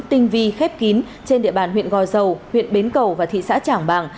tinh vi khép kín trên địa bàn huyện gò dầu huyện bến cầu và thị xã trảng bàng